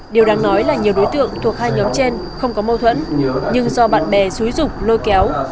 điều đáng nói là nhiều đối tượng thuộc hai nhóm trên không có mâu thuẫn nhưng do bạn bè xúi rục lôi kéo